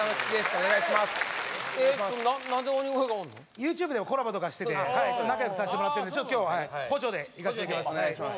ＹｏｕＴｕｂｅでコラボとかしてて仲よくさせてもらってるんで今日は補助でいかせていただきます